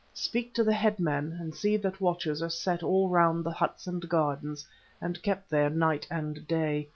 Speak to the headmen, and see that watchers are set all round the huts and gardens, and kept there night and day.